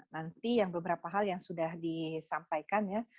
nanti yang beberapa hal yang sudah disampaikan ya